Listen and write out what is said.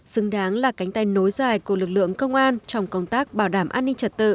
xứng đáng là cánh tay nối dài của lực lượng công an trong công tác bảo đảm an ninh trật tự